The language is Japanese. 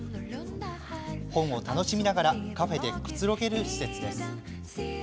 本を楽しみながらカフェでくつろげる施設です。